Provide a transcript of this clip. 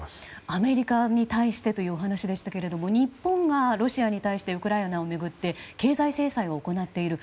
アメリカに対してというお話でしたが日本がロシアに対してウクライナを巡って経済制裁を行っている。